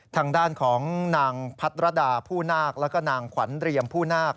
ทางด้านของนางพัทรดาผู้นาคแล้วก็นางขวัญเรียมผู้นาค